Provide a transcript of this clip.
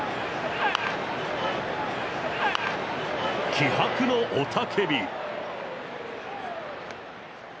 気迫の雄たけび。